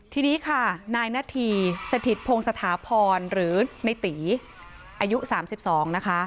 ทีนี้ค่ะนายนาธีสถิตพงศถาพรหรือในตีอายุ๓๒นะคะ